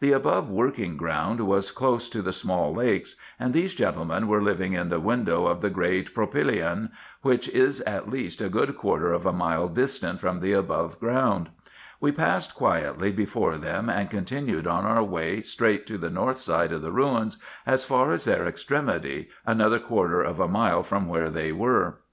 The above working ground was close to the small lakes, and these gentlemen were living in the window of the great propylaeon, which is at least a good quarter of a mile distant from the above ground. We passed quietly before them, and continued on our way straight to the north side of the ruins as far as their extremity, another quarter of a mile from where 366 RESEARCHES AND OPERATIONS they were.